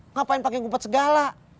ngapain pake gubat segala